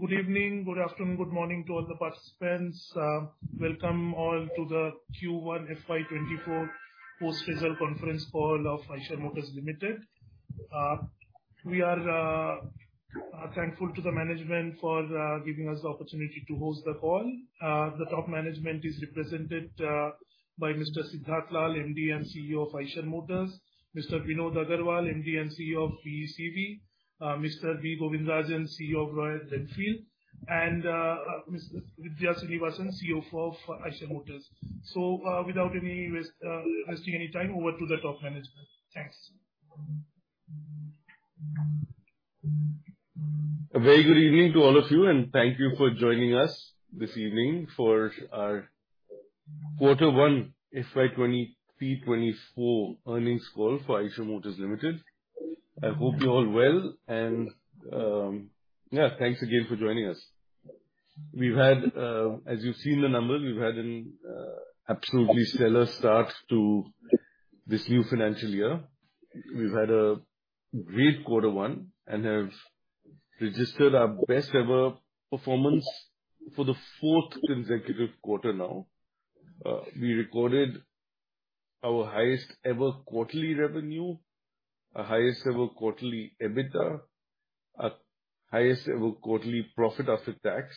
Good evening, good afternoon, good morning to all the participants. Welcome all to the Q1 FY24 post result conference call of Eicher Motors Limited. We are thankful to the management for giving us the opportunity to host the call. The top management is represented by Mr. Siddhartha Lal, MD and CEO of Eicher Motors, Mr. Vinod Aggarwal, MD and CEO of VECV, Mr. B. Govindarajan, CEO of Royal Enfield, and Mr. Vidhya Srinivasan, CFO for Eicher Motors. Without any rest, wasting any time, over to the top management. Thanks. A very good evening to all of you, and thank you for joining us this evening for our Quarter One FY 2024 earnings call for Eicher Motors Limited. I hope you're all well, and, yeah, thanks again for joining us. We've had, as you've seen the numbers, we've had an absolutely stellar start to this new financial year. We've had a great Quarter One, and have registered our best ever performance for the fourth consecutive quarter now. We recorded our highest ever quarterly revenue, our highest ever quarterly EBITDA, our highest ever quarterly profit after tax,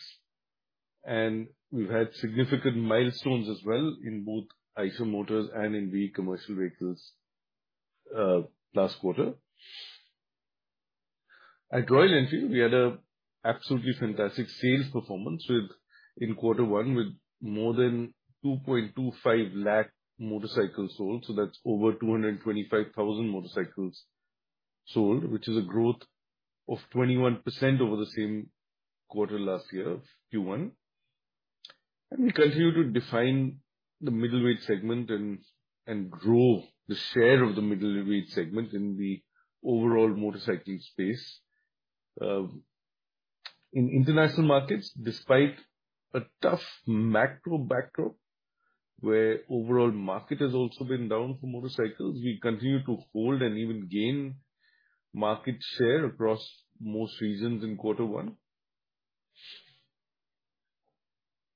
and we've had significant milestones as well in both Eicher Motors and in VE Commercial Vehicles, last quarter. At Royal Enfield, we had a absolutely fantastic sales performance in Quarter One, with more than 2.25 lakh motorcycles sold, so that's over 225,000 motorcycles sold, which is a growth of 21% over the same quarter last year, Q1. We continue to define the middleweight segment and grow the share of the middleweight segment in the overall motorcycle space. In international markets, despite a tough macro backdrop, where overall market has also been down for motorcycles, we continue to hold and even gain market share across most regions in Quarter One.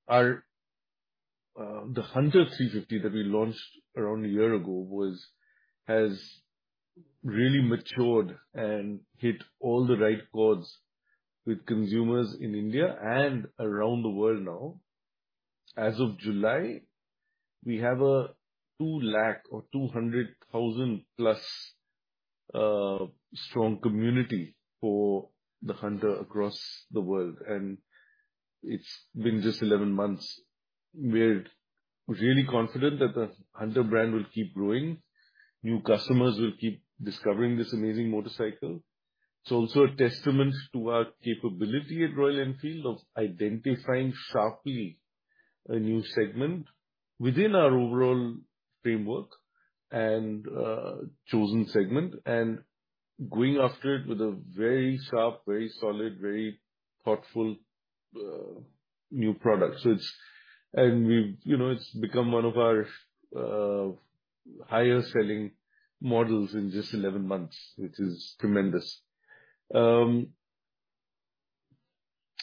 Our the Hunter 350 that we launched around a year ago has really matured and hit all the right chords with consumers in India and around the world now. As of July, we have a 2 lakh or 200,000 plus strong community for the Hunter across the world, and it's been just 11 months. We're really confident that the Hunter brand will keep growing. New customers will keep discovering this amazing motorcycle. It's also a testament to our capability at Royal Enfield of identifying sharply a new segment within our overall framework and chosen segment, and going after it with a very sharp, very solid, very thoughtful new product. We've, you know, it's become one of our higher selling models in just 11 months, which is tremendous.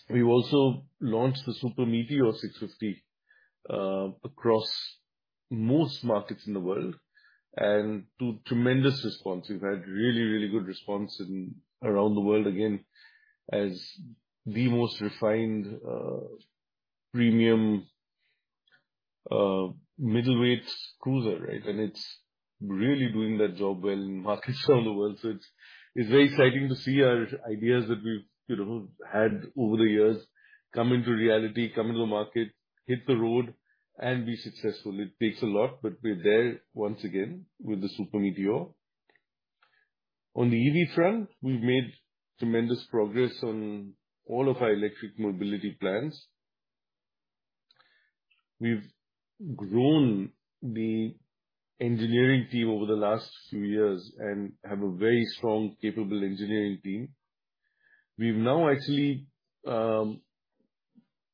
We've also launched the Super Meteor 650 across most markets in the world, and to tremendous response. We've had really, really good response in around the world, again, as the most refined, premium, middleweight cruiser, right? It's really doing that job well in markets around the world. It's, it's very exciting to see our ideas that we've, you know, had over the years come into reality, come into the market, hit the road and be successful. It takes a lot, but we're there once again with the Super Meteor. On the EV front, we've made tremendous progress on all of our electric mobility plans. We've grown the engineering team over the last few years and have a very strong, capable engineering team. We've now actually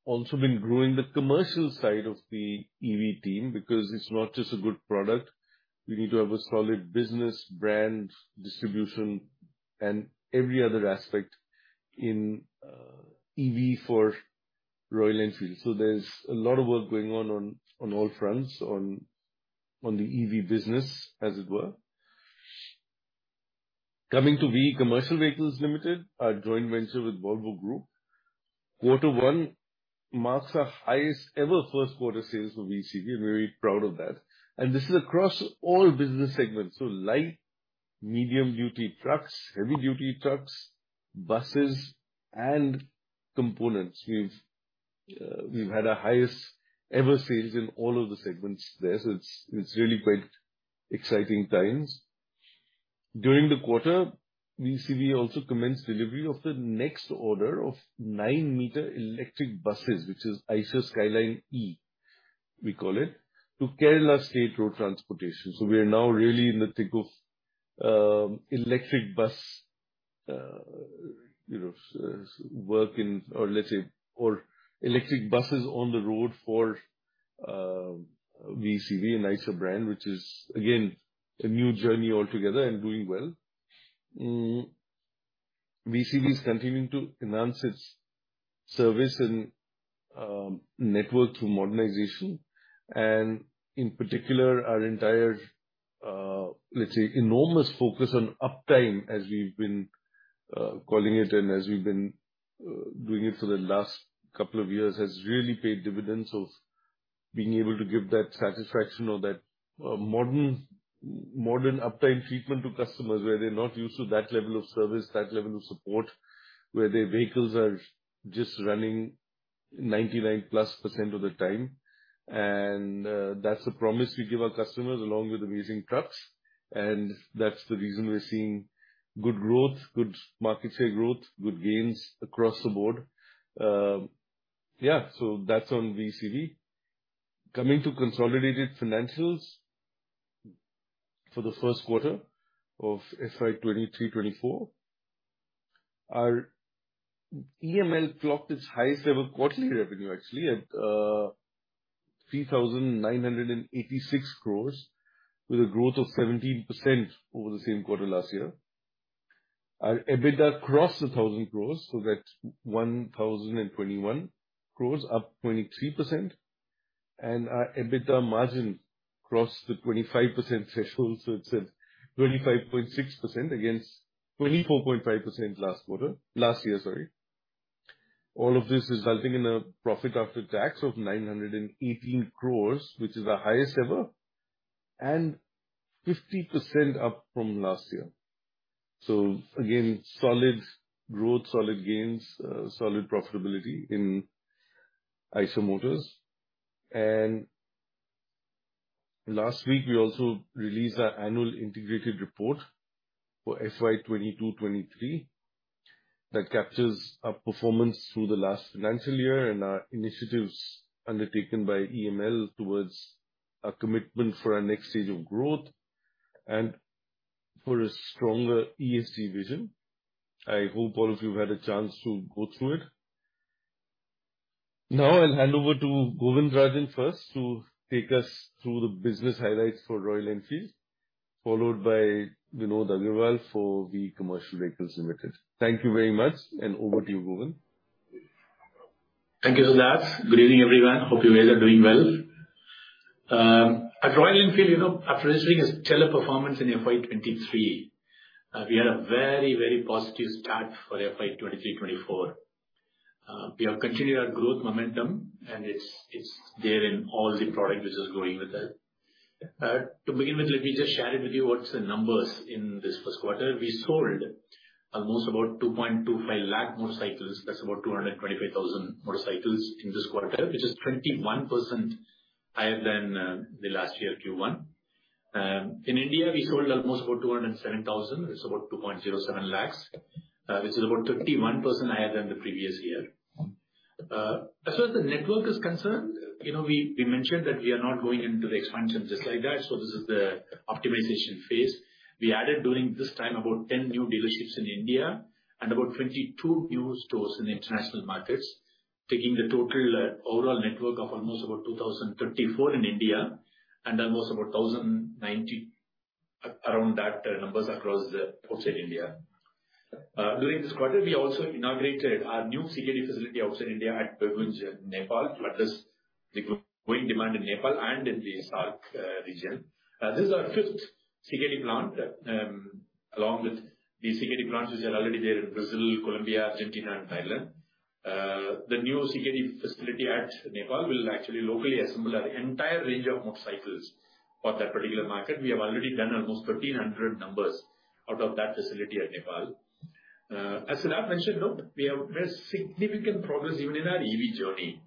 also been growing the commercial side of the EV team, because it's not just a good product, we need to have a solid business, brand, distribution and every other aspect in EV for Royal Enfield. There's a lot of work going on all fronts, on the EV business, as it were. Coming to VE Commercial Vehicles Limited, our joint venture with Volvo Group, Quarter One marks our highest ever first quarter sales for VECV. We're very proud of that. This is across all business segments, so light, medium duty trucks, heavy duty trucks, buses, and components. We've had our highest ever sales in all of the segments there, so it's, it's really quite exciting times. During the quarter, VECV also commenced delivery of the next order of 9 meter electric buses, which is Eicher Skyline E, we call it, to Kerala State Road Transport Corporation. We are now really in the thick of electric bus, you know, work in, or let's say, or electric buses on the road for VECV, an Eicher brand, which is again, a new journey altogether and doing well. VECV is continuing to enhance its service and network through modernization, and in particular, our entire, let's say, enormous focus on uptime, as we've been calling it and as we've been doing it for the last couple of years, has really paid dividends of being able to give that satisfaction or that modern, modern uptime treatment to customers, where they're not used to that level of service, that level of support. Where their vehicles are just running 99+% of the time, and that's a promise we give our customers, along with amazing trucks, and that's the reason we're seeing good growth, good market share growth, good gains across the board. Yeah, that's on VECV. Coming to consolidated financials for Q1 FY24. Our EML clocked its highest ever quarterly revenue, actually, at 3,986 crore, with a growth of 17% over the same quarter last year. Our EBITDA crossed 1,000 crore, that's 1,021 crore, up 23%. Our EBITDA margin crossed the 25% threshold, so it's at 25.6% against 24.5% last quarter. Last year, sorry. All of this resulting in a profit after tax of 918 crore, which is our highest ever, and 50% up from last year. Again, solid growth, solid gains, solid profitability in Eicher Motors. Last week, we also released our annual integrated report for FY2022-2023. That captures our performance through the last financial year and our initiatives undertaken by EML towards a commitment for our next stage of growth and for a stronger ESG vision. I hope all of you had a chance to go through it. I'll hand over to Govindarajan first, to take us through the business highlights for Royal Enfield, followed by Vinod Aggarwal for the Commercial Vehicles Limited. Thank you very much, and over to you, Govind. Thank you, Siddharth. Good evening, everyone. Hope you guys are doing well. At Royal Enfield, you know, after registering a stellar performance in FY23, we had a very, very positive start for FY23-24. We have continued our growth momentum, and it's, it's there in all the product which is growing with that. To begin with, let me just share it with you what's the numbers in this Q1. We sold almost about 2.25 lakh motorcycles. That's about 225,000 motorcycles in this quarter, which is 21% higher than the last year, Q1. In India, we sold almost about 207,000. It's about 2.07 lakh. This is about 51% higher than the previous year. As far as the network is concerned, you know, we, we mentioned that we are not going into the expansion just like that, so this is the optimization phase. We added, during this time, about 10 new dealerships in India and about 22 new stores in the international markets, taking the total overall network of almost about 2,034 in India and almost about 1,090, around that numbers across the outside India. During this quarter, we also inaugurated our new CKD facility outside India at Birgunj, Nepal, address the growing demand in Nepal and in the SAARC region. This is our fifth CKD plant, along with the CKD plants which are already there in Brazil, Colombia, Argentina, and Thailand. The new CKD facility at Nepal will actually locally assemble our entire range of motorcycles for that particular market. We have already done almost 1,300 numbers out of that facility at Nepal. As Siddharth mentioned, though, we have made significant progress even in our EV journey.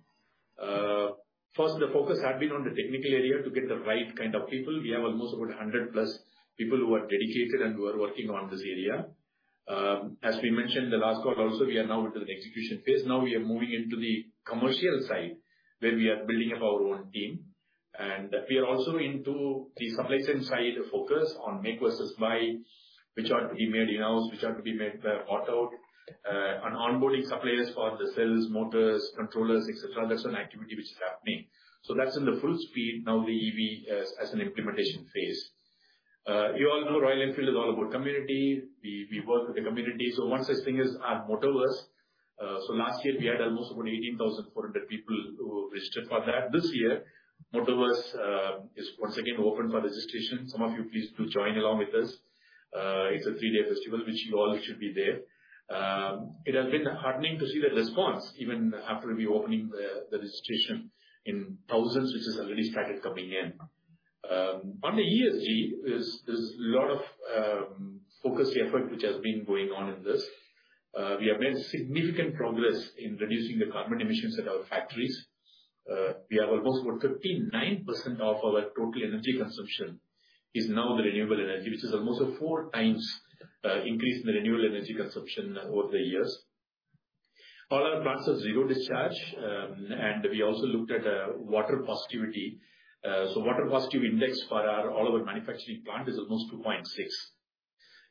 First, the focus had been on the technical area to get the right kind of people. We have almost about 100+ people who are dedicated and who are working on this area. As we mentioned the last call also, we are now into the execution phase. We are moving into the commercial side, where we are building up our own team, and we are also into the suppliers side, focus on make versus buy, which are to be made in-house, which are to be made by auto. On onboarding suppliers for the sales, motors, controllers, et cetera, that's an activity which is happening. That's in the full speed now, the EV as, as an implementation phase. You all know Royal Enfield is all about community. We work with the community, so one such thing is our Motoverse. Last year we had almost about 18,400 people who registered for that. This year, Motoverse, is once again open for registration. Some of you please do join along with us. It's a three-day festival which you all should be there. It has been heartening to see the response even after we opening the registration in thousands, which is already started coming in. On the ESG, there's a lot of focused effort which has been going on in this. We have made significant progress in reducing the carbon emissions at our factories. We have almost about 59% of our total energy consumption is now the renewable energy, which is almost a 4 times increase in the renewable energy consumption over the years. All our plants are zero discharge, and we also looked at water positivity. So water positive index for our, all our manufacturing plant is almost 2.6.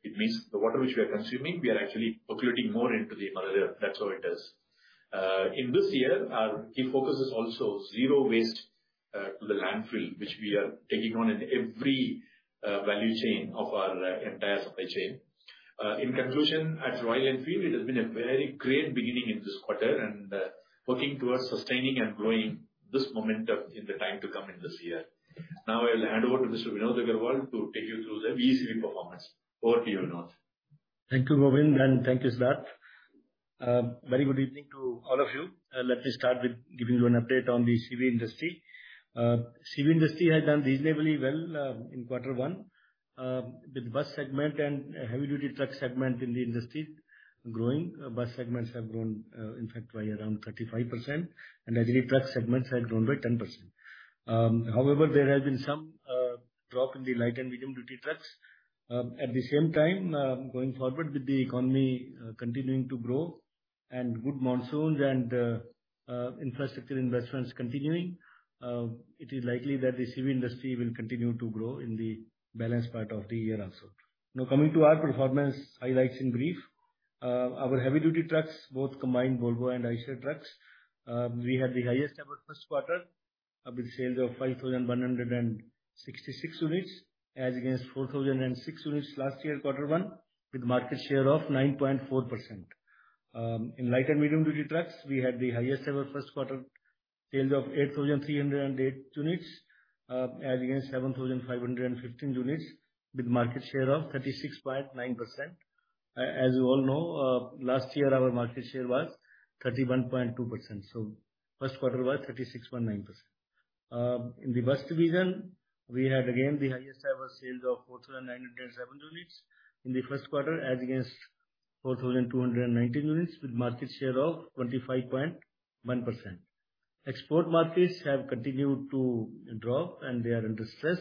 It means the water which we are consuming, we are actually populating more into the river. That's how it is. In this year, our key focus is also zero waste to the landfill, which we are taking on in every value chain of our entire supply chain. In conclusion, at Royal Enfield, it has been a very great beginning in this quarter, and working towards sustaining and growing this momentum in the time to come in this year. Now I will hand over to Mr. Vinod Aggarwal to take you through the VECV performance. Over to you, Vinod. Thank you, Govind, and thank you, Siddhartha. Very good evening to all of you. Let me start with giving you an update on the CV industry. CV industry has done reasonably well in quarter one with bus segment and heavy-duty truck segment in the industry growing. Bus segments have grown, in fact, by around 35%, and heavy truck segments have grown by 10%. However, there has been some drop in the light and medium-duty trucks. At the same time, going forward with the economy continuing to grow and good monsoons and infrastructure investments continuing, it is likely that the CV industry will continue to grow in the balanced part of the year also. Now, coming to our performance highlights in brief. Our heavy-duty trucks, both combined Volvo and Eicher trucks, we had the highest ever first quarter, with sales of 5,166 units, as against 4,006 units last year, Quarter 1, with market share of 9.4%. In light and medium-duty trucks, we had the highest ever first quarter sales of 8,308 units, as against 7,515 units, with a market share of 36.9%. As you all know, last year our market share was 31.2%. First quarter was 36.9%. In the bus division, we had again the highest ever sales of 4,907 units in the 1st quarter, as against 4,219 units, with market share of 25.1%. Export markets have continued to drop, and they are under stress,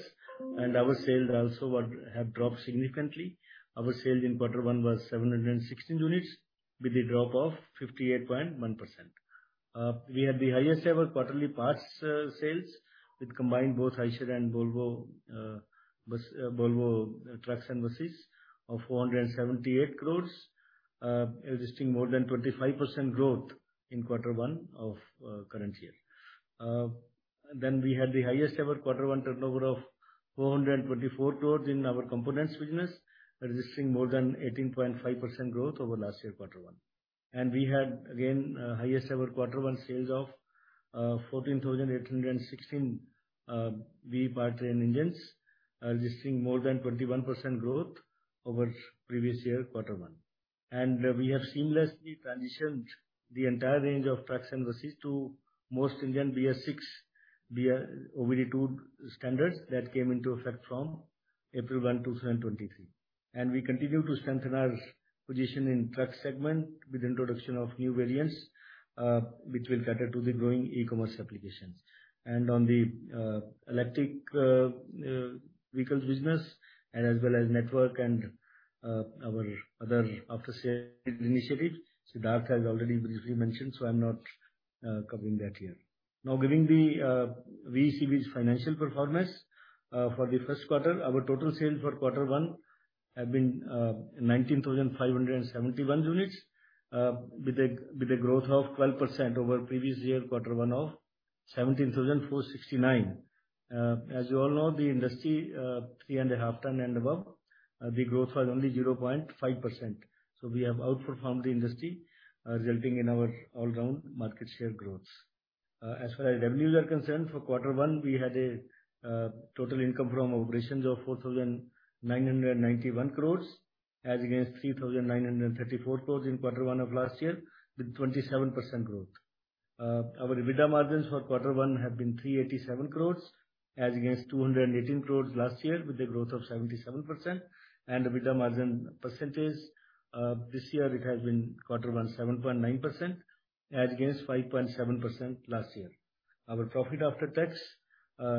our sales also have dropped significantly. Our sales in quarter 1 was 716 units, with a drop of 58.1%. We had the highest ever quarterly parts sales, with combined both Eicher and Volvo, Volvo trucks and buses of 478 crore, registering more than 25% growth in quarter 1 of current year. We had the highest ever Q1 turnover of 424 crore in our components business, registering more than 18.5% growth over last year, Q1. We had, again, highest ever Q1 sales of 14,816 VE powertrain engines, registering more than 21% growth over previous year, Q1. We have seamlessly transitioned the entire range of trucks and buses to most Indian BS-VI, BS-OBD2 standards that came into effect from April 1, 2023. We continue to strengthen our position in truck segment with introduction of new variants, which will cater to the growing e-commerce applications. On the electric vehicles business and as well as network and our other after-sale initiative, Siddhartha has already briefly mentioned, so I'm not covering that here. Giving the VECV's financial performance for Q1. Our total sales for Q1 have been 19,571 units with a growth of 12% over previous year Q1 of 17,469. As you all know, the industry, 3.5 ton and above, the growth was only 0.5%. We have outperformed the industry, resulting in our all-round market share growth. As far as revenues are concerned, for quarter one, we had a total income from operations of 4,991 crore, as against 3,934 crore in quarter one of last year, with 27% growth. Our EBITDA margins for quarter one have been 387 crore, as against 218 crore last year, with a growth of 77%. EBITDA margin percentage, this year it has been quarter one, 7.9%, as against 5.7% last year. Our profit after tax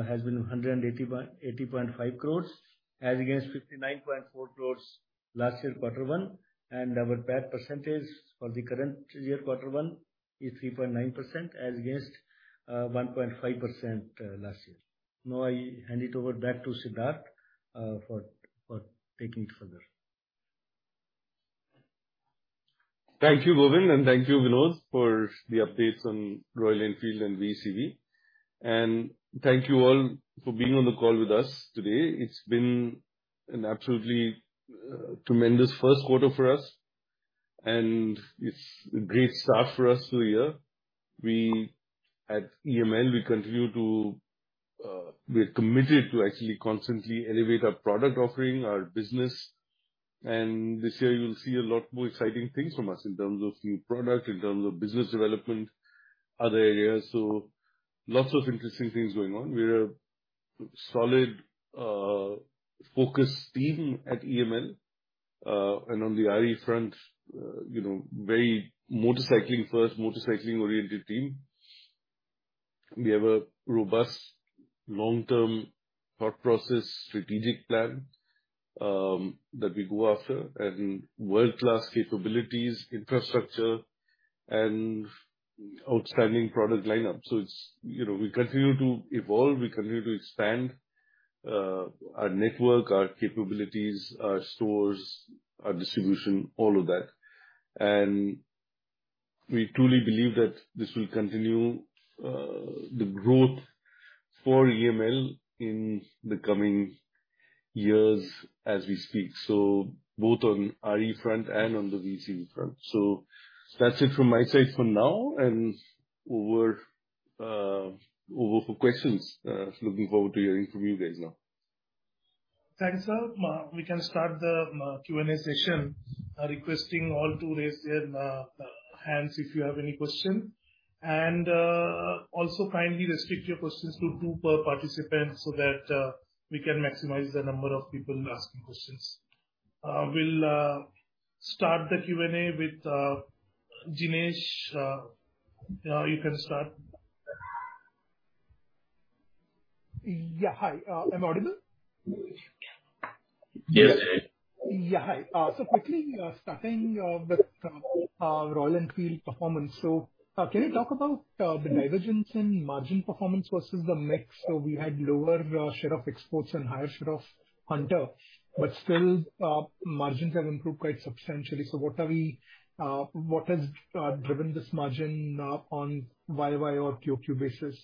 has been 80.5 crore, as against 59.4 crore last year, quarter one. Our PAT percentage for the current year, quarter one, is 3.9%, as against 1.5% last year. Now, I hand it over back to Siddharth, for taking it further. Thank you, Govind, and thank you, Vinod, for the updates on Royal Enfield and VECV. Thank you all for being on the call with us today. It's been an absolutely tremendous first quarter for us, and it's a great start for us for the year. At EML, we continue to, we are committed to actually constantly elevate our product, offering our business, and this year you'll see a lot more exciting things from us in terms of new product, in terms of business development, other areas, so lots of interesting things going on. We are a solid, focused team at EML, and on the RE front, you know, very motorcycling first, motorcycling-oriented team. We have a robust, long-term thought process, strategic plan, that we go after, and world-class capabilities, infrastructure- And outstanding product lineup. It's, you know, we continue to evolve, we continue to expand, our network, our capabilities, our stores, our distribution, all of that. We truly believe that this will continue, the growth for EML in the coming years as we speak, so both on RE front and on the VE front. That's it from my side for now, and over, over for questions. Looking forward to hearing from you guys now. Thanks, sir. We can start the Q&A session. Requesting all to raise their hands if you have any question. Also kindly restrict your questions to two per participant so that we can maximize the number of people asking questions. We'll start the Q&A with Jinesh. You can start. Yeah, hi. Am I audible? Yes. Yeah, hi. Quickly, starting with Royal Enfield performance. Can you talk about the divergence in margin performance versus the mix? We had lower share of exports and higher share of Hunter, but still, margins have improved quite substantially. What has driven this margin on Y-o-Y or QOQ basis?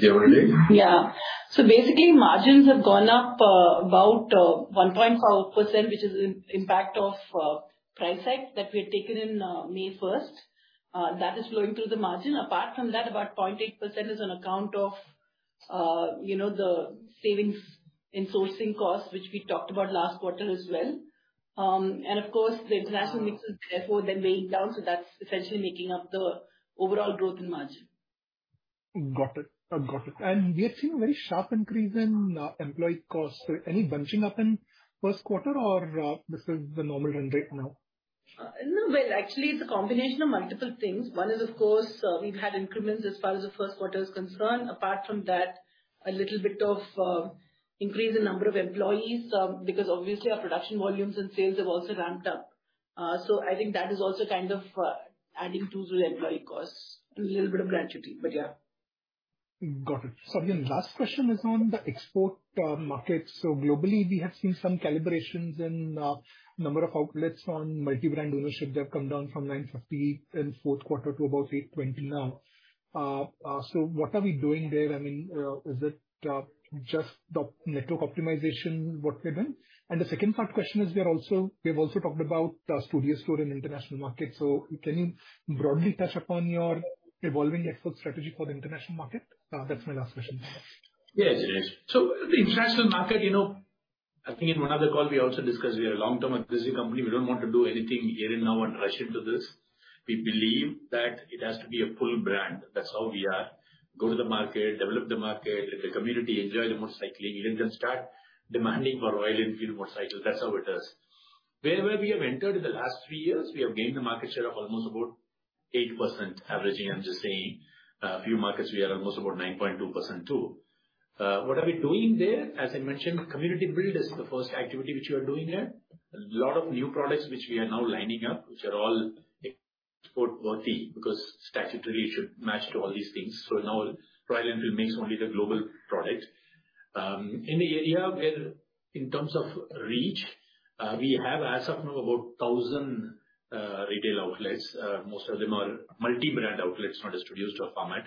Yeah, Lavanya. Basically, margins have gone up about 1.4%, which is impact of price hike that we had taken in May first. That is flowing through the margin. Apart from that, about 0.8% is on account of, you know, the savings in sourcing costs, which we talked about last quarter as well. Of course, the national mix is therefore then weighing down, so that's essentially making up the overall growth in margin. Got it. Got it. We have seen a very sharp increase in employee costs. Any bunching up in first quarter or, this is the normal trend right now? No, well, actually, it's a combination of multiple things. One is, of course, we've had increments as far as the first quarter is concerned. Apart from that, a little bit of increase in number of employees, because obviously our production volumes and sales have also ramped up. I think that is also kind of adding to the employee costs and a little bit of granularity, but yeah. Got it. The last question is on the export market. Globally, we have seen some calibrations in number of outlets on multi-brand ownership. They have come down from 958 in fourth quarter to about 820 now. What are we doing there? I mean, is it just the network optimization, what they've been? The second part question is there also. We've also talked about studio store in international markets. Can you broadly touch upon your evolving export strategy for the international market? That's my last question. Yes, Jinesh. The international market, you know, I think in one other call, we also discussed we are a long-term aggressive company. We don't want to do anything here and now and rush into this. We believe that it has to be a full brand. That's how we are. Go to the market, develop the market, let the community enjoy the motorcycle, let them start demanding for Royal Enfield motorcycle. That's how it is. Wherever we have entered in the last three years, we have gained a market share of almost about 8%, averaging. I'm just saying, a few markets, we are almost about 9.2%, too. What are we doing there? As I mentioned, community build is the first activity which we are doing there. A lot of new products which we are now lining up, which are all export worthy because statutorily it should match to all these things. Now Royal Enfield makes only the global products. In the area where, in terms of reach, we have, as of now, about 1,000 retail outlets. Most of them are multi-brand outlets, not distributed to a format,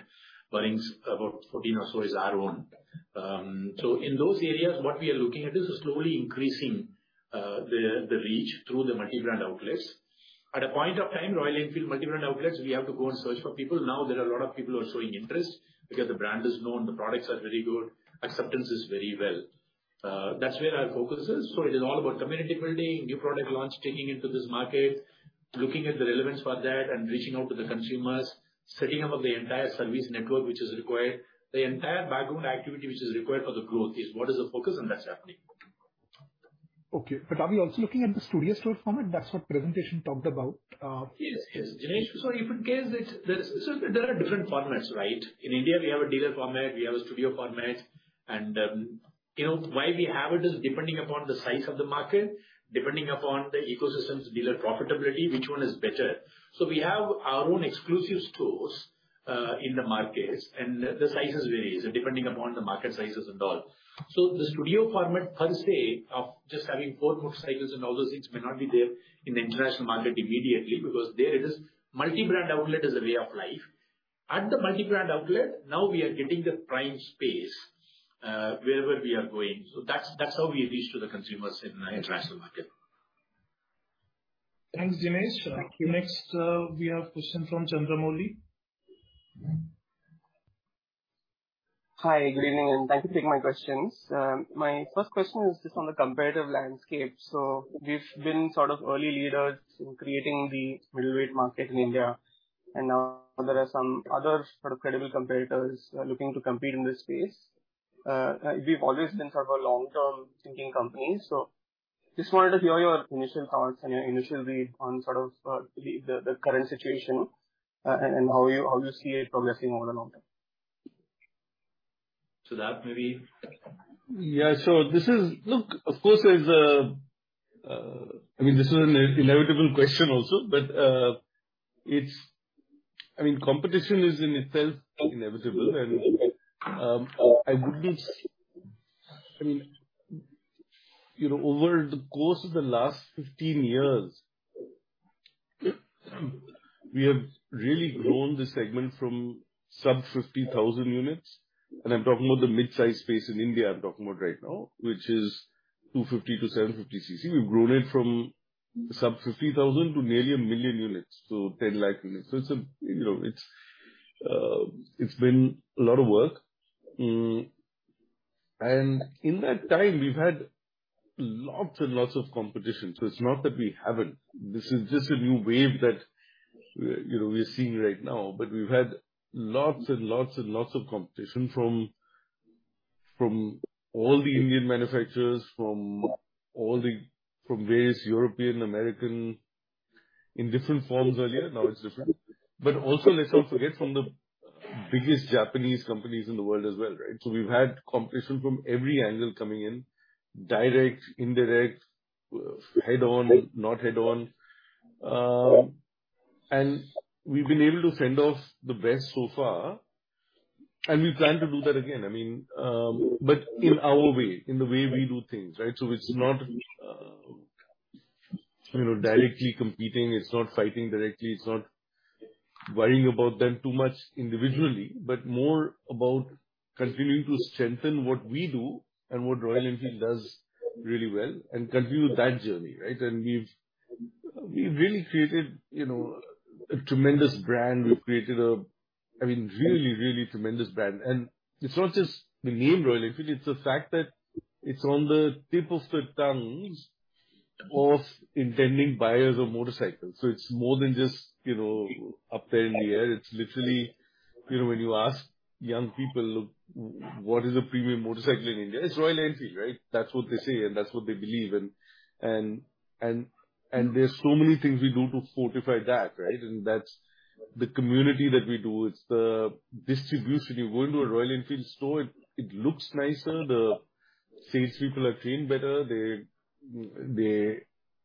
but in about 14 or so is our own. In those areas, what we are looking at is slowly increasing the, the reach through the multi-brand outlets. At a point of time, Royal Enfield multi-brand outlets, we have to go and search for people. Now there are a lot of people who are showing interest because the brand is known, the products are very good, acceptance is very well. That's where our focus is. It is all about community building, new product launch, taking into this market, looking at the relevance for that and reaching out to the consumers, setting up the entire service network, which is required. The entire background activity, which is required for the growth, is what is the focus and that's happening. Okay, are we also looking at the studio store format? That's what presentation talked about. Yes, yes, Jinesh. You would guess that there's, so there are different formats, right? In India, we have a dealer format, we have a studio format. You know, why we have it is depending upon the size of the market, depending upon the ecosystems, dealer profitability, which one is better. We have our own exclusive stores, in the markets, and the sizes varies depending upon the market sizes and all. The studio format per se, of just having four motorcycles and all those things may not be there in the international market immediately, because there it is multi-brand outlet as a way of life. At the multi-brand outlet, now we are getting the prime space, wherever we are going. That's, that's how we reach to the consumers in the international market. Thanks, Jinesh. Thank you. Next, we have a question from Chandramouli. Hi, good evening, thank you for taking my questions. My first question is just on the competitive landscape. We've been sort of early leaders in creating the middleweight market in India, and now there are some other sort of credible competitors looking to compete in this space. We've always been sort of a long-term thinking company, so just wanted to hear your initial thoughts and your initial read on sort of the, the current situation and, and how you, how you see it progressing over the long term. That maybe? Yeah, this is, look, of course, there's a, I mean, this is an inevitable question also, but, it's. I mean, competition is in itself inevitable. I would be, I mean, you know, over the course of the last 15 years, we have really grown the segment from sub 50,000 units, and I'm talking about the mid-size space in India, I'm talking about right now, which is 250-750 cc. We've grown it from sub 50,000 to nearly 1 million units, so 10 lakh units. It's a, you know, it's been a lot of work. In that time, we've had lots and lots of competition. It's not that we haven't. This is just a new wave that, you know, we are seeing right now. We've had lots and lots and lots of competition from, from all the Indian manufacturers, from all the, from various European, American, in different forms earlier, now it's different. Also, let's not forget, from the biggest Japanese companies in the world as well, right? We've had competition from every angle coming in, direct, indirect, head-on, not head-on. We've been able to fend off the best so far, and we plan to do that again. I mean, but in our way, in the way we do things, right? It's not, you know, directly competing, it's not fighting directly, it's not worrying about them too much individually, but more about continuing to strengthen what we do and what Royal Enfield does really well and continue that journey, right? We've, we've really created, you know, a tremendous brand. We've created a, I mean, really, really tremendous brand. It's not just the name Royal Enfield, it's the fact that it's on the tip of the tongues of intending buyers of motorcycles. It's more than just, you know, up there in the air. It's literally, you know, when you ask young people, "Look, what is a premium motorcycle in India?" "It's Royal Enfield, right?" That's what they say, and that's what they believe. There are so many things we do to fortify that, right? That's the community that we do. It's the distribution. You go into a Royal Enfield store, it, it looks nicer, the salespeople are trained better, they, they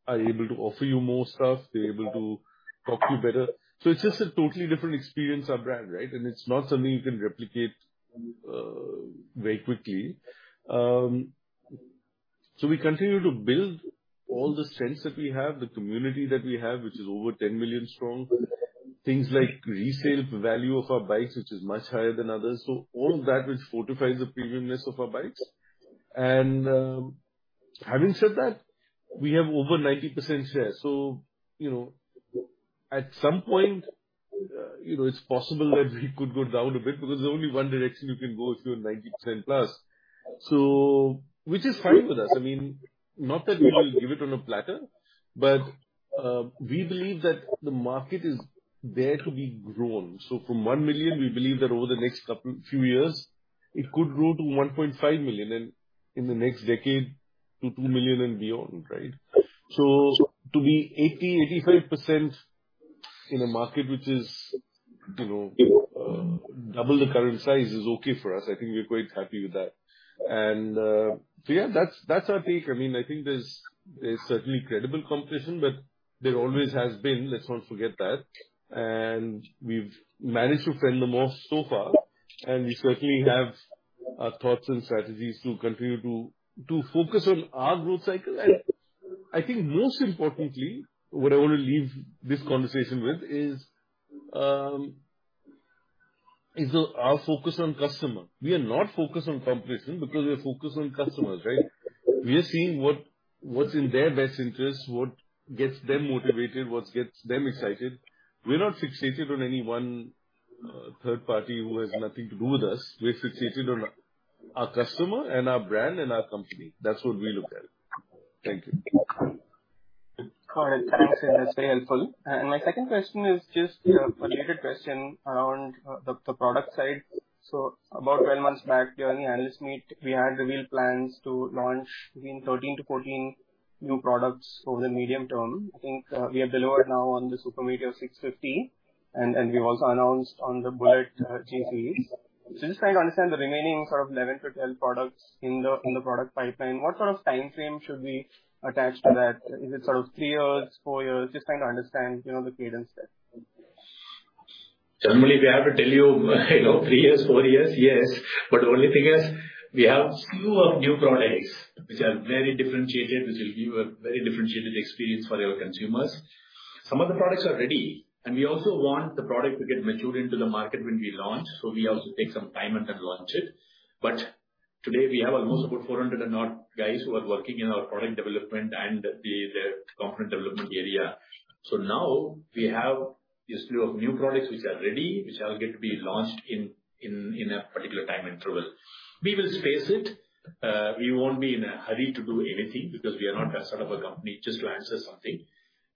are able to offer you more stuff, they're able to talk to you better. It's just a totally different experience of our brand, right? It's not something you can replicate very quickly. We continue to build all the strengths that we have, the community that we have, which is over 10 million strong. Things like resale value of our bikes, which is much higher than others. All of that, which fortifies the premiumness of our bikes. Having said that, we have over 90% share. You know, at some point, you know, it's possible that we could go down a bit because there's only one direction you can go through in 90%+. Which is fine with us. I mean, not that we will give it on a platter, but we believe that the market is there to be grown. From $1 million, we believe that over the next couple, few years, it could grow to $1.5 million, and in the next decade, to $2 million and beyond, right? To be 80%-85% in a market which is, you know, double the current size is okay for us. I think we're quite happy with that. Yeah, that's, that's our take. I mean, I think there's, there's certainly credible competition, but there always has been, let's not forget that. We've managed to fend them off so far, and we certainly have thoughts and strategies to continue to, to focus on our growth cycle. I think most importantly, what I want to leave this conversation with is the, our focus on customer. We are not focused on competition because we are focused on customers, right? We are seeing what, what's in their best interest, what gets them motivated, what gets them excited. We're not fixated on any one, third party who has nothing to do with us. We're fixated on our, our customer and our brand and our company. That's what we look at. Thank you. Got it. Thanks. That's very helpful. My second question is just a related question around the, the product side. About 12 months back, during the analyst meet, we had revealed plans to launch between 13-14 new products over the medium term. I think we have delivered now on the Super Meteor 650, and we've also announced on the Bullet J-series. Just trying to understand the remaining sort of 11-12 products in the, in the product pipeline, what sort of time frame should we attach to that? Is it sort of three years, four years? Just trying to understand, you know, the cadence there. Generally, if I have to tell you, you know, three years, four years, yes. The only thing is we have a slew of new products which are very differentiated, which will give a very differentiated experience for our consumers. Some of the products are ready, and we also want the product to get matured into the market when we launch, so we have to take some time and then launch it. Today we have almost about 400 odd guys who are working in our product development and the component development area. Now we have this slew of new products which are ready, which are yet to be launched in, in, in a particular time interval. We will space it. We won't be in a hurry to do anything because we are not that sort of a company, just to launch just something.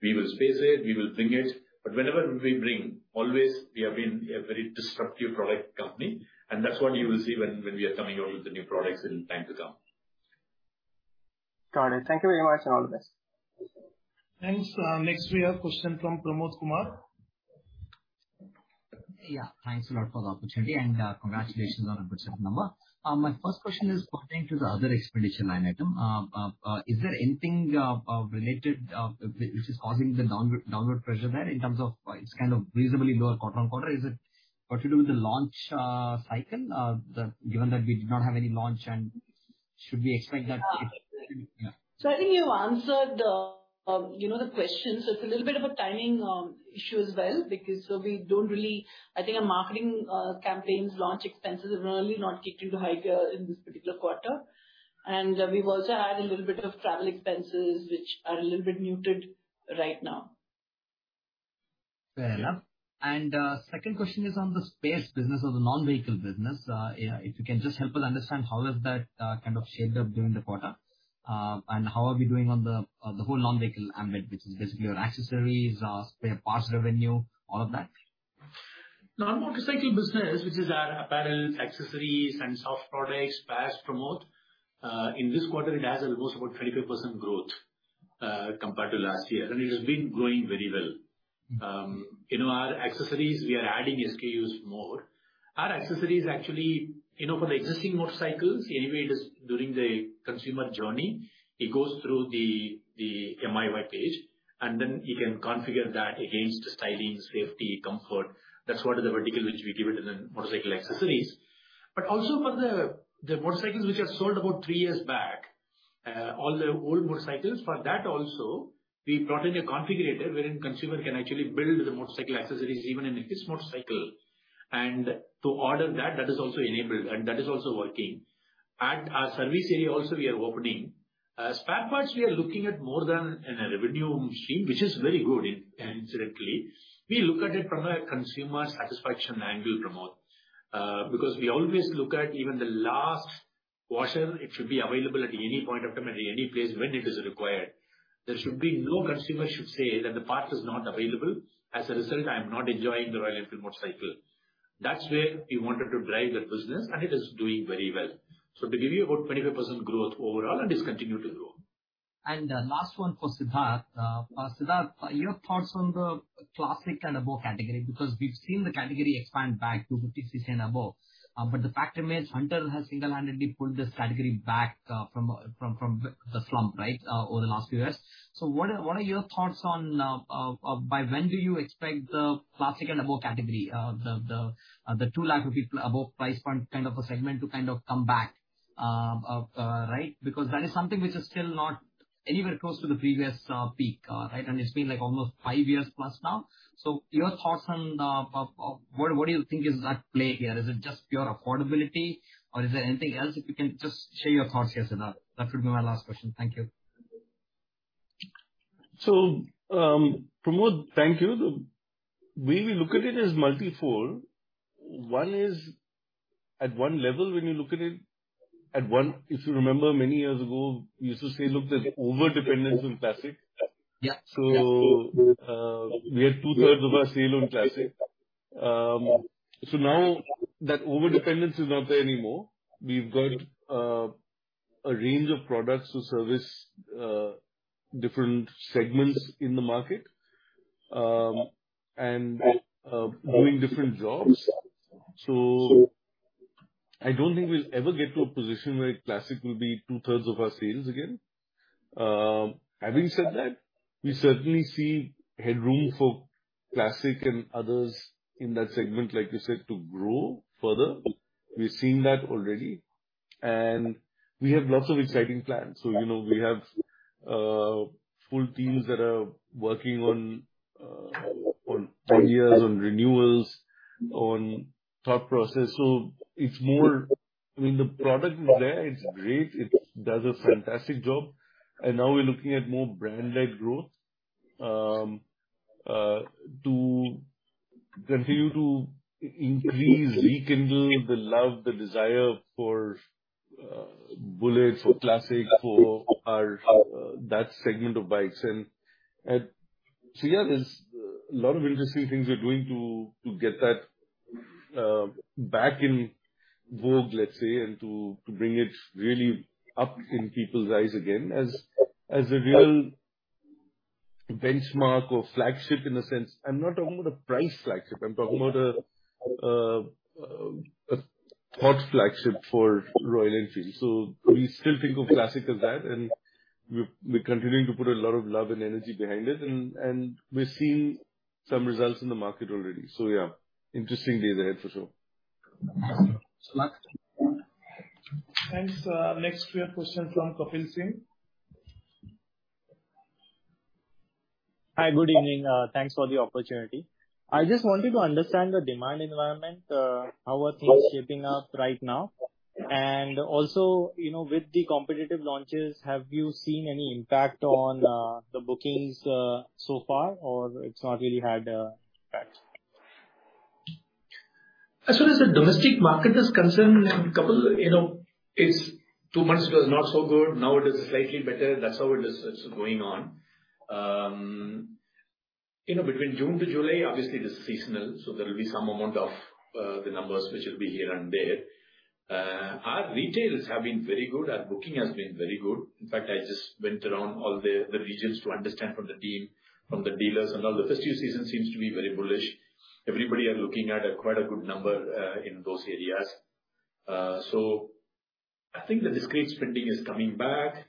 We will space it, we will bring it, but whenever we bring, always we have been a very disruptive product company, and that's what you will see when, when we are coming out with the new products in time to come. Got it. Thank you very much, and all the best. Thanks. Next we have a question from Pramod Kumar. Yeah, thanks a lot for the opportunity, and congratulations on the quarter number. My first question is pertaining to the other expedition line item. Is there anything related, which is causing the downward, downward pressure there in terms of, it's kind of reasonably lower quarter-on-quarter? Is it got to do with the launch cycle? Given that we did not have any launch and should we expect that? I think you've answered, you know, the question. It's a little bit of a timing issue as well, because so I think our marketing campaigns, launch expenses have really not kicked into high gear in this particular quarter. We've also had a little bit of travel expenses, which are a little bit muted right now. Fair enough. Second question is on the spares business or the non-vehicle business. Yeah, if you can just help us understand how has that kind of shaped up during the quarter? And how are we doing on the, the whole non-vehicle ambit, which is basically your accessories, spare parts revenue, all of that. Non-motorcycle business, which is our apparel, accessories, and soft products, spares, promote, in this quarter, it has a gross about 25% growth, compared to last year, and it has been growing very well. You know, our accessories, we are adding SKUs more. Our accessories actually, you know, for the existing motorcycles, anyway, it is during the consumer journey, it goes through the, the MIY page, and then you can configure that against the styling, safety, comfort. That's what is the vertical which we give it in the motorcycle accessories. Also for the, the motorcycles which are sold about three years back, all the old motorcycles, for that also, we brought in a configurator wherein consumer can actually build the motorcycle accessories even in an existing motorcycle. To order that, that is also enabled, and that is also working. At our service area also we are opening. Spare parts, we are looking at more than a revenue machine, which is very good, incidentally. We look at it from a consumer satisfaction angle, Pramod, because we always look at even the last washer, it should be available at any point of time, at any place when it is required. There should be no consumer should say that the part is not available, as a result, I'm not enjoying the Royal Enfield motorcycle. That's where we wanted to drive that business, and it is doing very well. To give you about 25% growth overall, and it's continued to grow. The last one for Siddharth. Siddharth, your thoughts on the Classic and above category, because we've seen the category expand back to 50, 60 and above. The fact remains, Hunter has single-handedly pulled this category back from, from, from the, the slump, right, over the last few years. What are, what are your thoughts on by when do you expect the Classic and above category, the 2 lakh rupees above price point kind of a segment to kind of come back, right? That is something which is still not anywhere close to the previous peak, right, and it's been like almost five years+ now. Your thoughts on what, what do you think is at play here? Is it just pure affordability, or is there anything else? If you can just share your thoughts here, Siddharth. That would be my last question. Thank you. Pramod, thank you. The way we look at it is multifold. One is, at one level, when you look at it, at one, if you remember many years ago, we used to say, look, there's overdependence on classic. Yeah. We had two-thirds of our sale on classic. Now that overdependence is not there anymore. We've got a range of products to service different segments in the market, and doing different jobs. I don't think we'll ever get to a position where classic will be two-thirds of our sales again. Having said that, we certainly see headroom for classic and others in that segment, like you said, to grow further. We've seen that already, and we have lots of exciting plans. You know, we have full teams that are working on four years on renewals, on thought process. It's more, I mean, the product is there, it's great, it does a fantastic job, and now we're looking at more brand-led growth to continue to increase, rekindle the love, the desire for Bullets, for Classic, for that segment of bikes. Yeah, there's a lot of interesting things we're doing to get that back in vogue, let's say, and to bring it really up in people's eyes again as a real benchmark or flagship in a sense. I'm not talking about a price flagship, I'm talking about a thought flagship for Royal Enfield. We still think of Classic as that, and we're continuing to put a lot of love and energy behind it, and we're seeing some results in the market already. Yeah, interestingly, there for sure. Thanks a lot. Thanks. Next, we have a question from Kapil Singh. Hi, good evening. Thanks for the opportunity. I just wanted to understand the demand environment, how are things shaping up right now? Also, you know, with the competitive launches, have you seen any impact on the bookings so far, or it's not really had impact? As far as the domestic market is concerned, Kapil, you know, it's two months it was not so good, now it is slightly better. That's how it is, it's going on. You know, between June to July, obviously, it is seasonal, so there will be some amount of the numbers which will be here and there. Our retails have been very good. Our booking has been very good. In fact, I just went around all the, the regions to understand from the team, from the dealers, and all the festive season seems to be very bullish. Everybody are looking at a quite a good number in those areas. I think the discrete spending is coming back.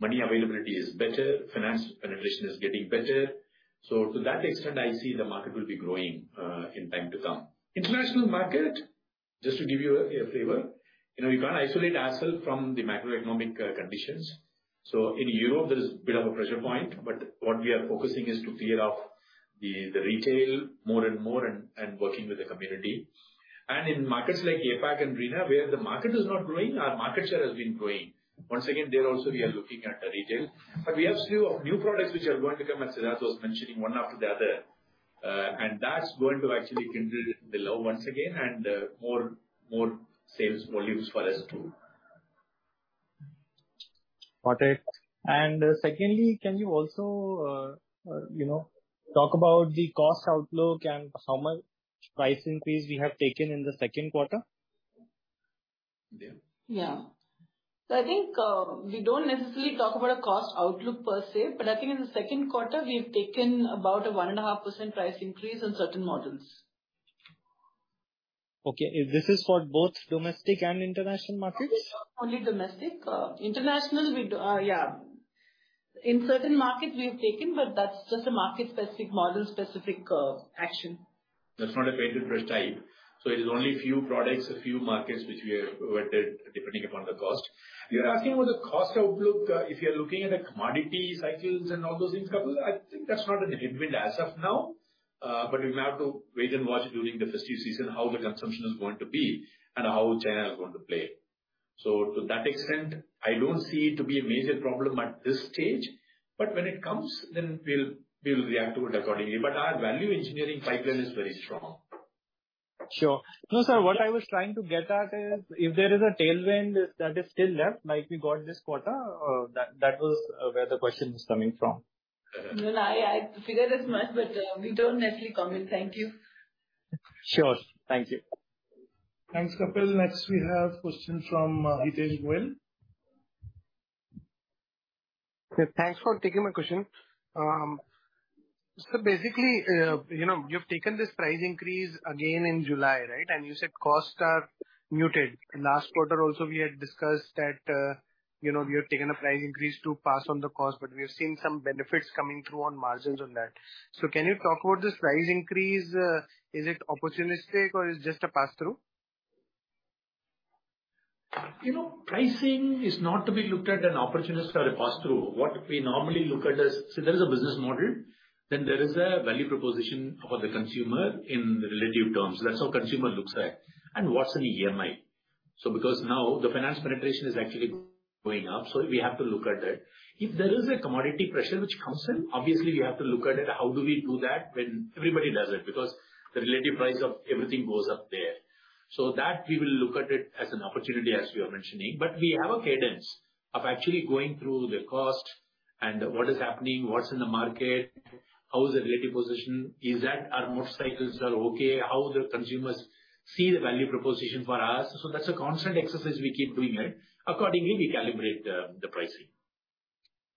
Money availability is better, finance penetration is getting better. To that extent, I see the market will be growing in time to come. International market, just to give you a favor, you know, we can't isolate ourselves from the macroeconomic conditions. In Europe, there is a bit of a pressure point, but what we are focusing is to clear off the retail more and more and working with the community. In markets like APAC and MENA, where the market is not growing, our market share has been growing. Once again, there also we are looking at the retail, but we have a few of new products which are going to come, as Siddhartha was mentioning, one after the other. That's going to actually kindle the love once again and more, more sales volumes for us, too. Got it. Secondly, can you also, you know, talk about the cost outlook and how much price increase you have taken in the second quarter? Yeah. Yeah. I think, we don't necessarily talk about a cost outlook per se, but I think in the second quarter we've taken about a 1.5% price increase on certain models. Okay. This is for both domestic and international markets? Only domestic. international, we do, yeah. In certain markets we have taken, but that's just a market-specific, model-specific, action. That's not a painted brush type, so it is only a few products, a few markets, which we have weighted depending upon the cost. You're asking what the cost outlook, if you're looking at the commodity cycles and all those things, Kapil, I think that's not in the imminent as of now, but we have to wait and watch during the festive season, how the consumption is going to be and how China is going to play. To that extent, I don't see it to be a major problem at this stage, but when it comes, then we'll, we'll react to it accordingly. Our value engineering pipeline is very strong. Sure. No, sir, what I was trying to get at is, if there is a tailwind that is still left, like we got this quarter, that, that was where the question is coming from. No, no, I, I figured as much, but, we don't actually comment. Thank you. Sure. Thank you. Thanks, Kapil. Next, we have question from Hitesh Goel. Yeah, thanks for taking my question. Basically, you know, you've taken this price increase again in July, right? You said costs are muted. Last quarter also we had discussed that, you know, we have taken a price increase to pass on the cost, but we have seen some benefits coming through on margins on that. Can you talk about this price increase? Is it opportunistic or is it just a pass-through? You know, pricing is not to be looked at an opportunistic or a pass-through. What we normally look at is, there is a business model, then there is a value proposition for the consumer in relative terms. That's how consumer looks at it, and what's an EMI? Because now the finance penetration is actually going up, so we have to look at it. If there is a commodity pressure which comes in, obviously we have to look at it. How do we do that when everybody does it? Because the relative price of everything goes up there. That we will look at it as an opportunity, as we are mentioning. We have a cadence of actually going through the cost and what is happening, what's in the market, how is the relative position, is that our motorcycles are okay, how the consumers see the value proposition for us. That's a constant exercise we keep doing it. Accordingly, we calibrate the pricing.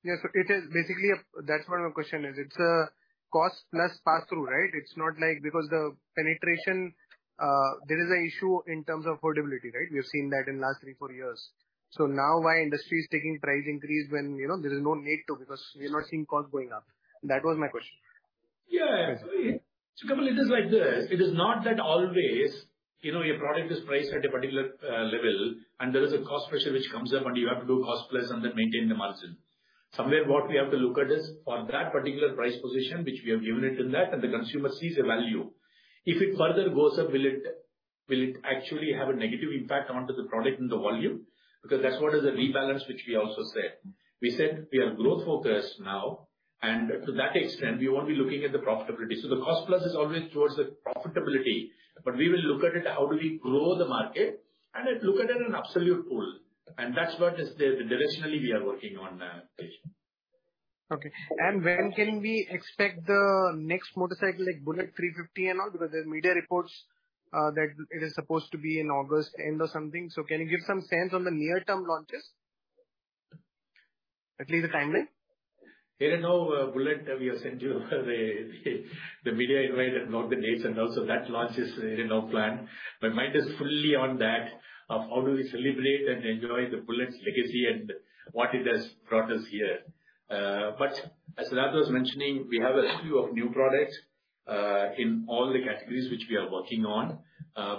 Yes, it is basically. That's what my question is. It's a cost plus pass-through, right? It's not like because the penetration, there is an issue in terms of affordability, right? We have seen that in last three, four years. Now why industry is taking price increase when, you know, there is no need to, because we are not seeing costs going up. That was my question. Yeah. Kapil, it is like this, it is not that always, you know, your product is priced at a particular level, and there is a cost pressure which comes up, and you have to do cost plus and then maintain the margin. Somewhere, what we have to look at is, for that particular price position, which we have given it in that, and the consumer sees a value. If it further goes up, will it, will it actually have a negative impact onto the product and the volume? That's what is a rebalance, which we also said. We said we are growth focused now, and to that extent, we won't be looking at the profitability. The cost plus is always towards the profitability, but we will look at it, how do we grow the market, and then look at it in an absolute pool. That's what is the, directionally we are working on, Hitesh. Okay. When can we expect the next motorcycle, like, Bullet 350 and all? There are media reports, that it is supposed to be in August end or something. Can you give some sense on the near-term launches? At least a timeline. There are no Bullet we have sent you. The, the, the media invite and all the dates and all, that launch is really no plan. My mind is fully on that, of how do we celebrate and enjoy the Bullet's legacy and what it has brought us here. As Siddhartha was mentioning, we have a few of new products in all the categories which we are working on.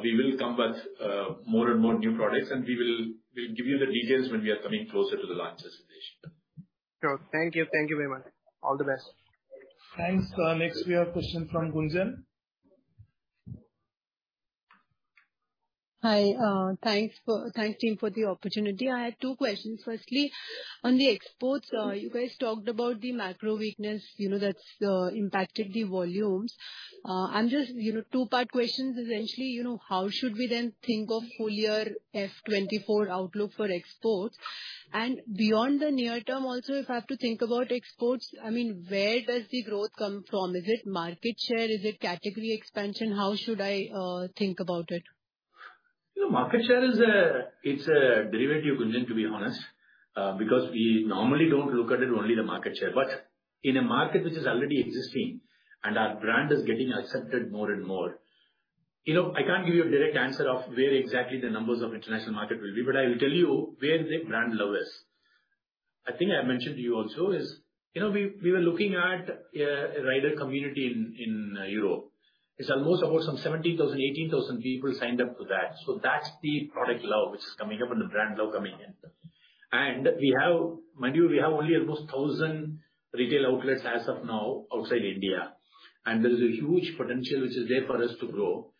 We will come with more and more new products, and we'll give you the details when we are coming closer to the launch presentation. Sure. Thank you. Thank you very much. All the best. Thanks. Next we have question from Gunjan. Hi. Thanks, team, for the opportunity. I had two questions. Firstly, on the exports, you guys talked about the macro weakness, you know, that's impacted the volumes. I'm just, you know, two-part questions essentially, you know, how should we then think of full year F '24 outlook for exports? Beyond the near term, also, if I have to think about exports, I mean, where does the growth come from? Is it market share? Is it category expansion? How should I think about it? You know, market share is a, it's a derivative, Gunjan, to be honest, because we normally don't look at it only the market share. In a market which is already existing and our brand is getting accepted more and more, you know, I can't give you a direct answer of where exactly the numbers of international market will be, but I will tell you where the brand love is. I think I mentioned to you also is, you know, we, we were looking at a rider community in Europe. It's almost about some 17,000-18,000 people signed up for that. That's the product love which is coming up and the brand love coming in. We have, mind you, we have only almost 1,000 retail outlets as of now outside India, and there is a huge potential which is there for us to grow.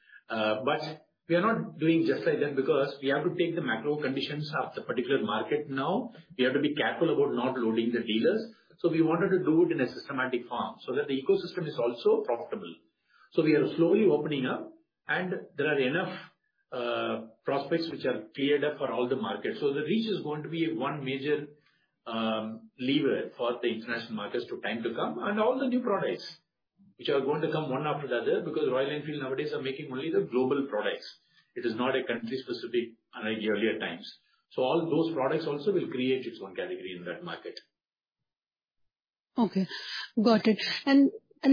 We are not doing just like them because we have to take the macro conditions of the particular market now. We have to be careful about not loading the dealers. We wanted to do it in a systematic form so that the ecosystem is also profitable. We are slowly opening up, and there are enough prospects which are cleared up for all the markets. The reach is going to be one major lever for the international markets to time to come. All the new products, which are going to come one after the other, because Royal Enfield nowadays are making only the global products. It is not a country specific unlike earlier times. All those products also will create its own category in that market. Okay, got it.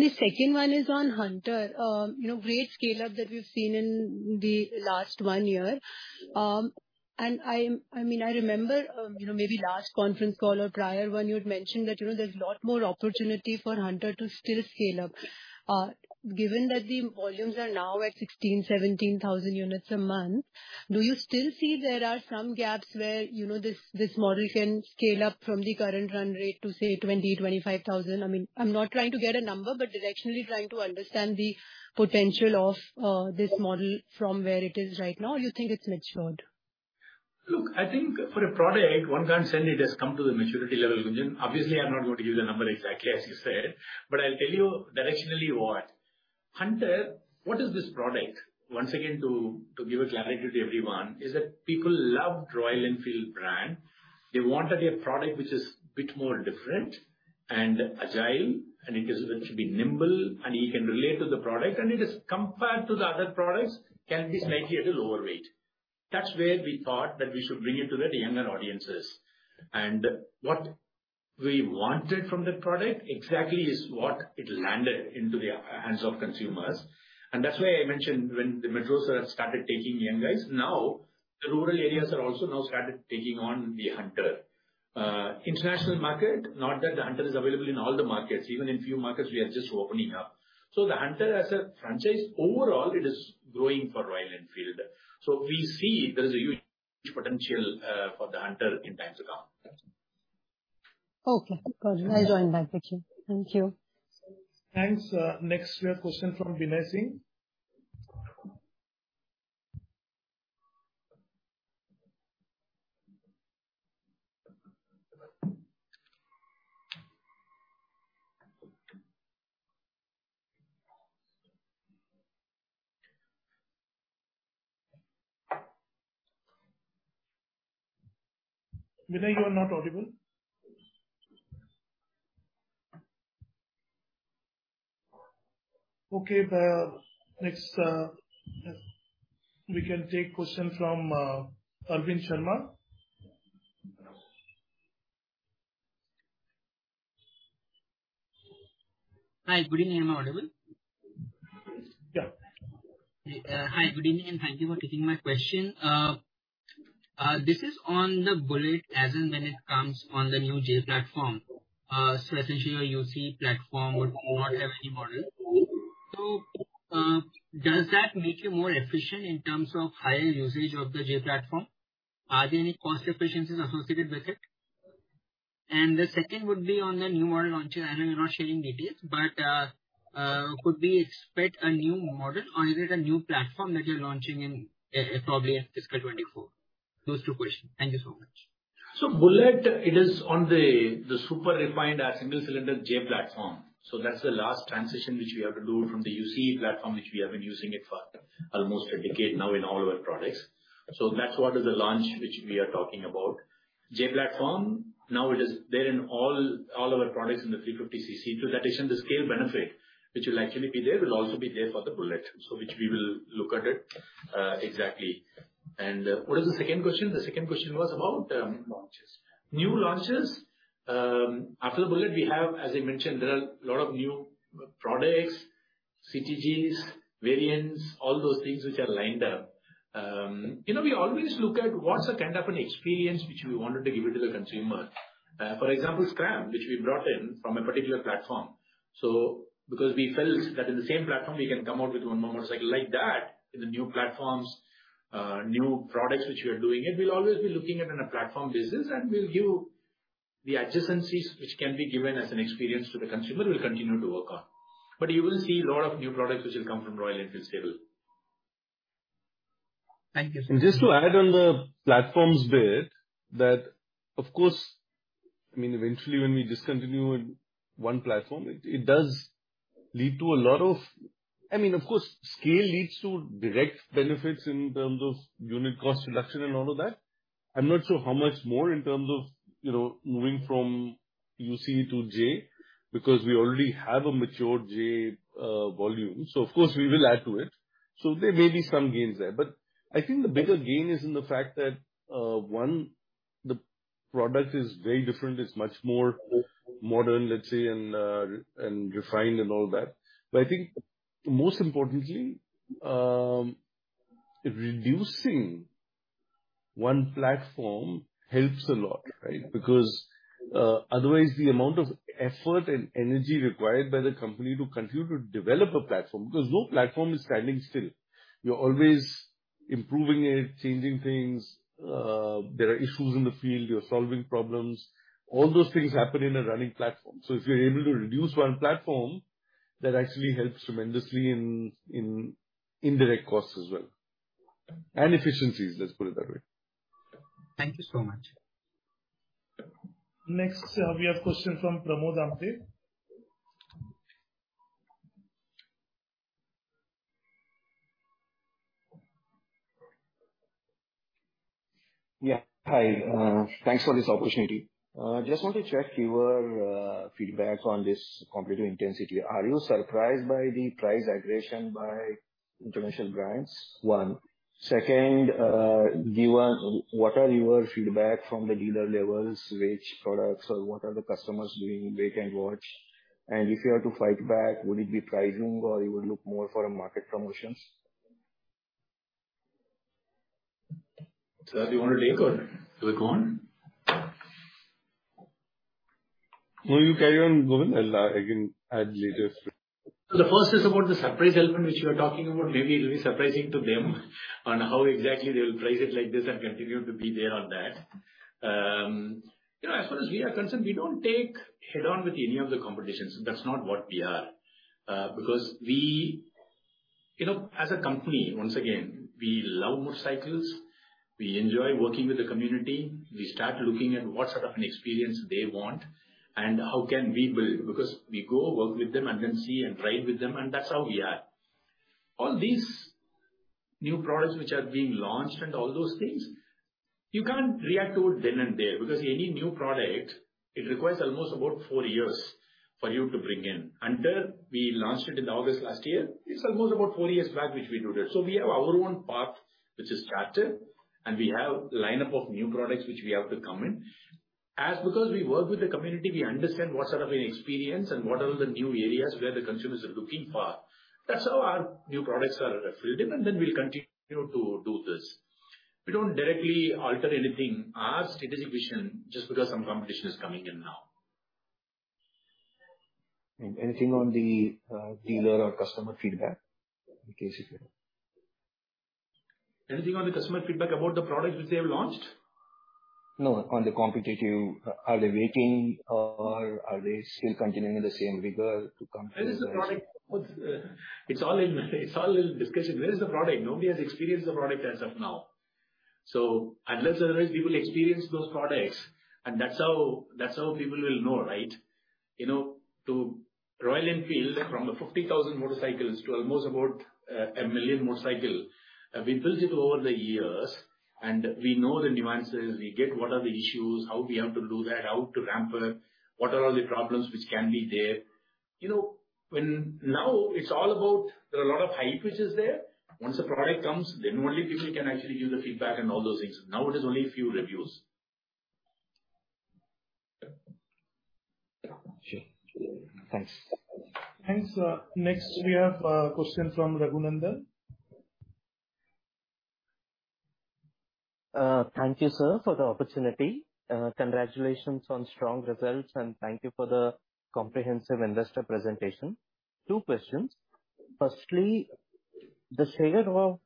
The second one is on Hunter. You know, great scale-up that we've seen in the last one year. I mean, I remember, you know, maybe last conference call or prior one, you had mentioned that, you know, there's a lot more opportunity for Hunter to still scale up. Given that the volumes are now at 16,000-17,000 units a month, do you still see there are some gaps where, you know, this model can scale up from the current run rate to, say, 20,000-25,000? I mean, I'm not trying to get a number, but directionally trying to understand the potential of this model from where it is right now, or you think it's matured? Look, I think for a product, one can't say it has come to the maturity level, Gunjan. Obviously, I'm not going to give the number exactly as you said, but I'll tell you directionally what. Hunter, what is this product? Once again, to give a clarity to everyone, is that people loved Royal Enfield brand. They wanted a product which is a bit more different and agile, and it is, it should be nimble, and you can relate to the product, and it is compared to the other products, can be slightly at a lower weight. That's where we thought that we should bring it to the younger audiences. What we wanted from the product exactly is what it landed into the hands of consumers. That's why I mentioned when the metros are, started taking young guys, now the rural areas are also now started taking on the Hunter. International market, not that the Hunter is available in all the markets. Even in few markets, we are just opening up. The Hunter as a franchise, overall, it is growing for Royal Enfield. We see there is a huge potential for the Hunter in times to come. Okay, got you. I join that picture. Thank you. Thanks. next we have question from Vinay Singh. Vinay, you are not audible. Okay, next, we can take question from Arvind Sharma. Hi, good evening. Am I audible? Yeah. Hi, good evening. Thank you for taking my question. This is on the Bullet as and when it comes on the new J platform, essentially a UCE platform would not have any model. Does that make you more efficient in terms of higher usage of the J platform? Are there any cost efficiencies associated with it? The second would be on the new model launcher. I know you're not sharing details, but, could we expect a new model or is it a new platform that you're launching in, probably in fiscal 2024? Those two questions. Thank you so much. Bullet, it is on the, the super refined single cylinder J platform. That's the last transition which we have to do from the UCE platform, which we have been using it for almost a decade now in all of our products. That's what is the launch, which we are talking about. J platform, now it is there in all, all our products in the 350 cc. To that extent, the scale benefit, which will actually be there, will also be there for the Bullet. Which we will look at it exactly. What is the second question? The second question was about. New launches. New launches. After the Bullet, we have, as I mentioned, there are a lot of new products, CTGs, variants, all those things which are lined up. You know, we always look at what's the kind of an experience which we wanted to give it to the consumer. For example, Scram, which we brought in from a particular platform. Because we felt that in the same platform, we can come out with one more motorcycle like that, in the new platforms, new products which we are doing, and we'll always be looking at it in a platform business, and we'll give the adjacencies which can be given as an experience to the consumer, we'll continue to work on. You will see a lot of new products which will come from Royal Enfield stable. Thank you. Just to add on the platforms bit, that of course, I mean, eventually when we discontinue one platform, it does lead to a lot of. I mean, of course, scale leads to direct benefits in terms of unit cost reduction and all of that. I'm not sure how much more in terms of, you know, moving from UC to J, because we already have a mature J volume. Of course, we will add to it. There may be some gains there. I think the bigger gain is in the fact that, one, the product is very different. It's much more modern, let's say, and refined and all that. I think most importantly, reducing one platform helps a lot, right? Otherwise the amount of effort and energy required by the company to continue to develop a platform, because no platform is standing still. You're always improving it, changing things, there are issues in the field, you're solving problems. All those things happen in a running platform. If you're able to reduce one platform, that actually helps tremendously in, in indirect costs as well, and efficiencies, let's put it that way. Thank you so much. Next, we have a question from Pramod Amthe. Yeah, hi. Thanks for this opportunity. Just want to check your feedback on this competitive intensity. Are you surprised by the price aggression by international brands? One. Second, given, what are your feedback from the dealer levels, which products or what are the customers doing, wait and watch? If you are to fight back, would it be pricing or you would look more for a market promotions? Sir, do you want to take or shall I go on? No, you carry on, Govind. I'll again add later. The first is about the surprise element, which you are talking about. Maybe it'll be surprising to them on how exactly they will price it like this and continue to be there on that. You know, as far as we are concerned, we don't take head-on with any of the competitions. That's not what we are. Because we, you know, as a company, once again, we love motorcycles, we enjoy working with the community. We start looking at what sort of an experience they want and how can we build, because we go work with them and then see and ride with them, and that's how we are. All these new products which are being launched and all those things, you can't react to it then and there, because any new product, it requires almost about four years for you to bring in. Until we launched it in August last year, it's almost about four years back, which we do that. We have our own path, which is charted, and we have lineup of new products which we have to come in. Because we work with the community, we understand what sort of an experience and what are the new areas where the consumers are looking for. That's how our new products are filled in, and then we'll continue to do this. We don't directly alter anything as it is efficient just because some competition is coming in now. Anything on the dealer or customer feedback, in case if you have? Anything on the customer feedback about the products which they have launched? No, on the competitive. Are they waiting or are they still continuing the same rigor to come to the- Where is the product? It's all in, it's all in discussion. Where is the product? Nobody has experienced the product as of now. Unless and until people experience those products, and that's how, that's how people will know, right? You know, to Royal Enfield, from 50,000 motorcycles to almost about 1 million motorcycle, we built it over the years and we know the nuances. We get what are the issues, how we have to do that, how to ramp it, what are all the problems which can be there. You know, Now it's all about, there are a lot of hype which is there. Once the product comes, then only people can actually give the feedback and all those things. It is only a few reviews. Sure. Thanks. Thanks. Next, we have a question from Raghu Nandan. Thank you, sir, for the opportunity. Congratulations on strong results, and thank you for the comprehensive investor presentation. Two questions. Firstly, the share of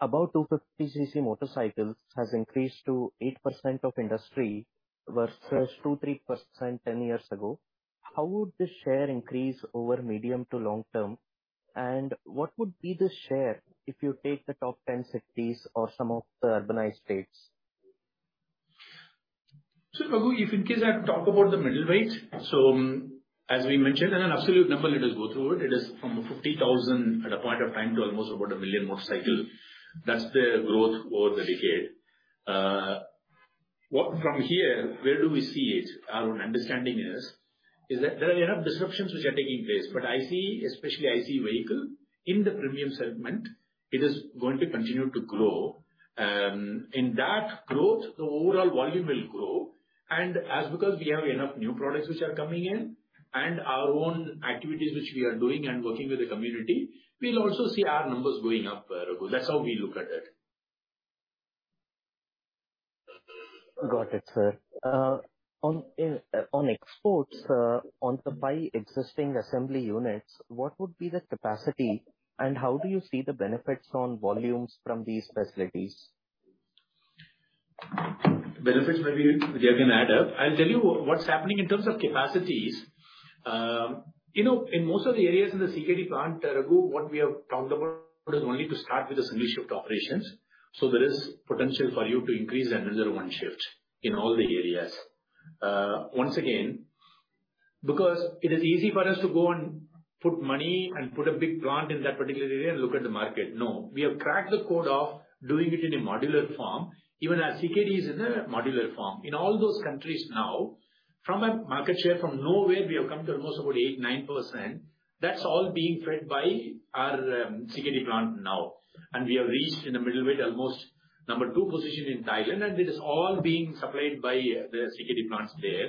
about 250 cc motorcycles has increased to 8% of industry versus 2-3% 10 years ago. How would the share increase over medium to long term? What would be the share if you take the top 10 cities or some of the urbanized states? Raghu, if in case I have to talk about the middle weight, As we mentioned, in an absolute number, it is go through it. It is from 50,000 at a point of time to almost about 1 million motorcycles. That's the growth over the decade. From here, where do we see it? Our understanding is that there are enough disruptions which are taking place, but I see, especially, I see vehicle in the premium segment, it is going to continue to grow. In that growth, the overall volume will grow, and as because we have enough new products which are coming in and our own activities which we are doing and working with the community, we'll also see our numbers going up, Raghu. That's how we look at it. Got it, sir. On, on exports, on the by existing assembly units, what would be the capacity and how do you see the benefits on volumes from these facilities? Benefits maybe Jagrati can add up. I'll tell you what's happening in terms of capacities. you know, in most of the areas in the CKD plant, Raghu, what we have talked about is only to start with the single shift operations. There is potential for you to increase another one shift in all the areas. It is easy for us to go and put money and put a big plant in that particular area and look at the market. No, we have cracked the code of doing it in a modular form, even our CKD is in a modular form. In all those countries now, from a market share from nowhere, we have come to almost about eight, nine%. That's all being fed by our CKD plant now. We have reached in the middleweight, almost number two position in Thailand, and this is all being supplied by the CKD plants there,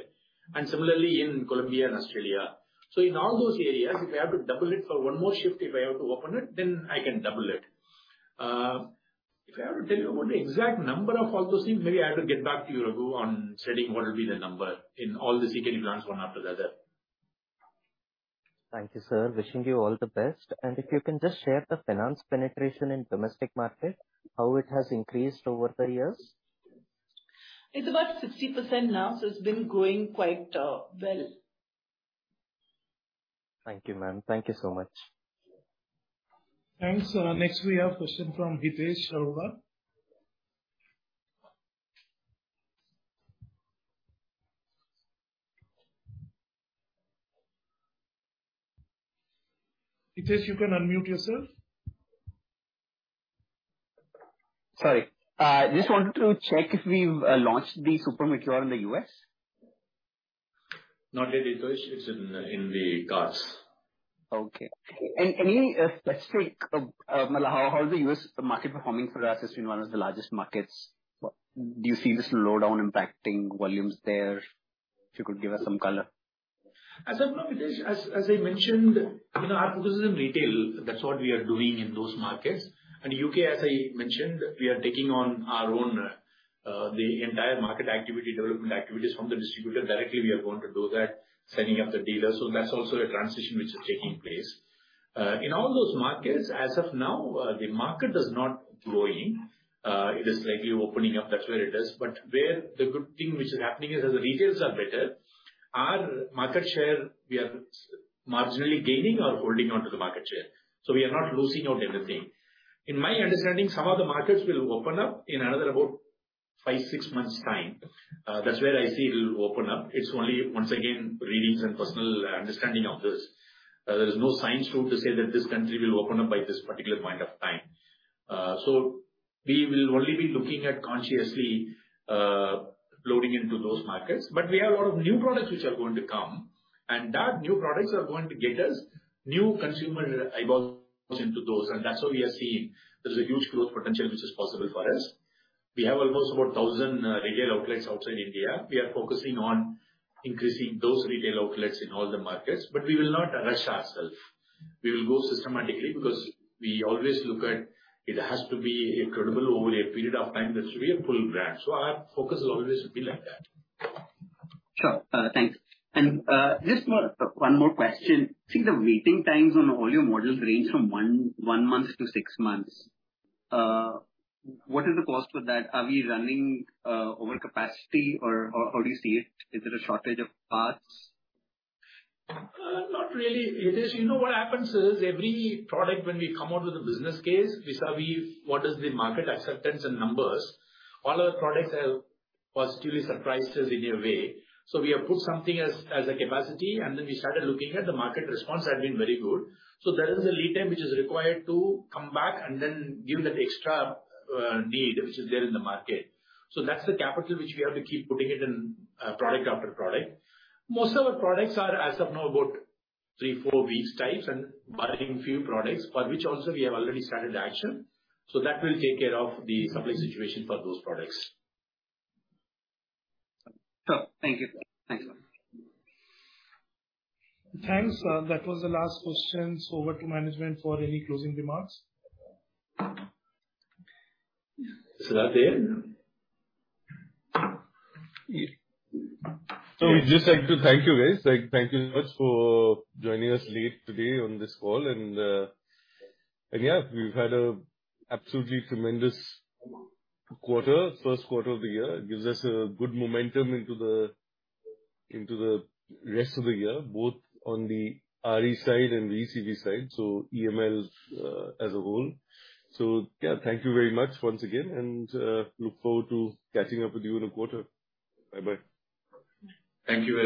and similarly in Colombia and Australia. In all those areas, if I have to double it for one more shift, if I have to open it, then I can double it. If I have to tell you about the exact number of all those things, maybe I have to get back to you, Raghu, on sharing what will be the number in all the CKD plants one after the other. Thank you, sir. Wishing you all the best. If you can just share the finance penetration in domestic market, how it has increased over the years? It's about 60% now, so it's been growing quite, well. Thank you, ma'am. Thank you so much. Thanks. next we have a question from Hitesh Goel. Hitesh, you can unmute yourself. Sorry, just wanted to check if we've, launched the Super Meteor in the U.S.? Not yet, Hitesh, it's in the, in the cars. Okay. Any specific how, how is the US market performing for us? It's been one of the largest markets. Do you see this slowdown impacting volumes there? If you could give us some color. As of now, Hitesh, as, as I mentioned, you know, our focus is in retail. That's what we are doing in those markets. U.K., as I mentioned, we are taking on our own, the entire market activity, development activities from the distributor directly, we are going to do that, setting up the dealers. That's also a transition which is taking place. In all those markets, as of now, the market is not growing. It is slightly opening up, that's where it is. Where the good thing which is happening is that the retails are better. Our market share, we are marginally gaining or holding on to the market share, so we are not losing out anything. In my understanding, some of the markets will open up in another about five, six months' time. That's where I see it'll open up. It's only, once again, readings and personal understanding of this. There is no science tool to say that this country will open up by this particular point of time. We will only be looking at consciously loading into those markets. We have a lot of new products which are going to come, and that new products are going to get us new consumer eyeballs into those, and that's why we are seeing there's a huge growth potential which is possible for us. We have almost about 1,000 retail outlets outside India. We are focusing on increasing those retail outlets in all the markets, but we will not rush ourself. We will go systematically because we always look at it has to be incredible over a period of time. This should be a full brand. Our focus will always be like that. Sure. Thanks. Just one more question. See, the waiting times on all your models range from 1 month to six months. What is the cause for that? Are we running over capacity or how do you see it? Is it a shortage of parts? Not really, Hitesh, you know, what happens is, every product when we come out with a business case, vis-a-vis what is the market acceptance and numbers, all our products have positively surprised us in a way. We have put something as, as a capacity, and then we started looking at the market response has been very good. There is a lead time which is required to come back and then give that extra need which is there in the market. That's the capital which we have to keep putting it in product after product. Most of our products are, as of now, about three, four weeks types, and barring few products, for which also we have already started action. That will take care of the supply situation for those products. Sure. Thank you. Thanks a lot. Thanks. That was the last question. Over to management for any closing remarks. Is that the end? We'd just like to thank you, guys. Like, thank you very much for joining us late today on this call, and, yeah, we've had a absolutely tremendous quarter, first quarter of the year. It gives us a good momentum into the, into the rest of the year, both on the RE side and the VECV side, so EML as a whole. Yeah, thank you very much once again, and look forward to catching up with you in a quarter. Bye-bye. Thank you, everyone.